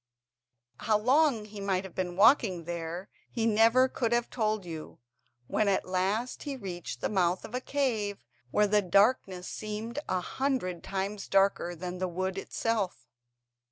How long he might have been walking there he never could have told you, when at last he reached the mouth of a cave where the darkness seemed a hundred times darker than the wood itself.